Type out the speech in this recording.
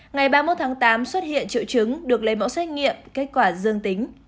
ngày ba mươi một tháng tám xuất hiện triệu chứng được lấy mẫu xét nghiệm kết quả dương tính